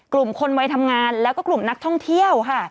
กลุ่มคนวัยทำงานแล้วก็กลุ่มนักท่องเที่ยวค่ะ